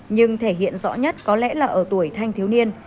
nhưng thể hiện rõ nhất có lẽ là ở tuổi thanh thiếu niên